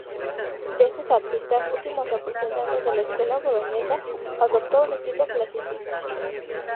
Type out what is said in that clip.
De estos artistas, últimos representantes de la Escuela Boloñesa, adoptó un estilo clasicista.